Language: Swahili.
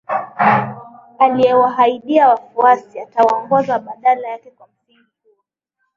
aliyewaahidia wafuasi atawaongoza badala yake Kwa msingi huo